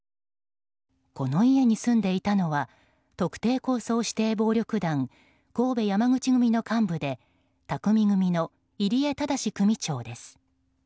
この家に住んでいたのは特定抗争指定暴力団神戸山口組の幹部で宅見組の入江禎組長です。